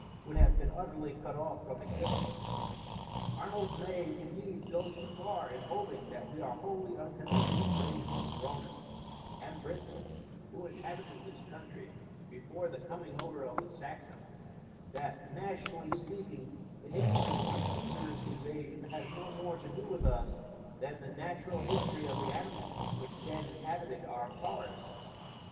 ] would have been utterly cut off from existence. Arnold may, indeed, go too far in holding that we are wholly unconnected in race with the Romans and Britons who inhabited this country before the coming over of the Saxons; that, "nationally speaking, the history of Caesar's invasion has no more to do with us than the natural history of the animals which then inhabited our forests."